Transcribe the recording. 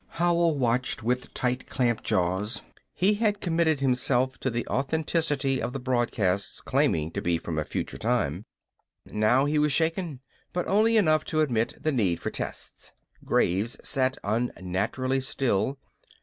Howell watched with tight clamped jaws. He had committed himself to the authenticity of the broadcasts claiming to be from a future time. Now he was shaken, but only enough to admit the need for tests. Graves sat unnaturally still.